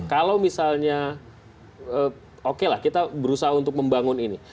kalau misalnya oke lah kita berusaha untuk membangun ini